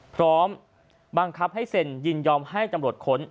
พร้อมบังคับให้เซ็นยินยอมให้ตำรวจค้น